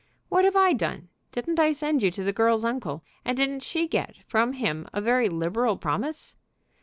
"What have I done? Didn't I send her to the girl's uncle, and didn't she get from him a very liberal promise?"